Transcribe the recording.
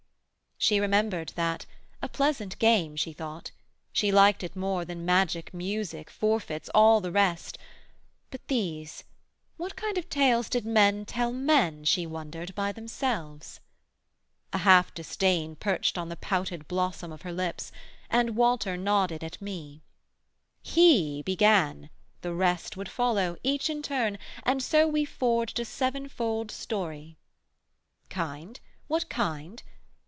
She remembered that: A pleasant game, she thought: she liked it more Than magic music, forfeits, all the rest. But these what kind of tales did men tell men, She wondered, by themselves? A half disdain Perched on the pouted blossom of her lips: And Walter nodded at me; 'He began, The rest would follow, each in turn; and so We forged a sevenfold story. Kind? what kind?